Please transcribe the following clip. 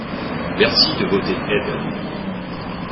Merci de voter aide.